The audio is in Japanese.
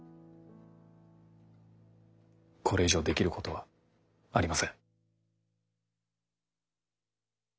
これ以上できることはありません。